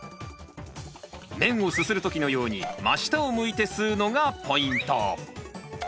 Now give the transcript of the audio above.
麺をすする時のように真下を向いて吸うのがポイント！